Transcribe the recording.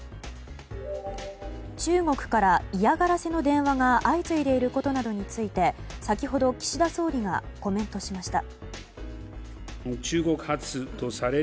中国から嫌がらせの電話が相次いでいることなどについて先ほど、岸田総理がコメントしました。